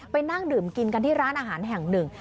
นั่งดื่มกินกันที่ร้านอาหารแห่งหนึ่ง